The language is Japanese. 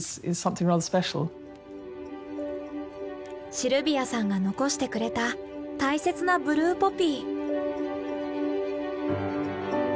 シルビアさんが残してくれた大切なブルーポピー。